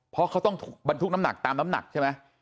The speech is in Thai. เพราะเขาต้องบรรทุกน้ำหนักตามน้ำหนักใช่ไหม